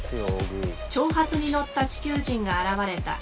挑発に乗った地球人が現れた。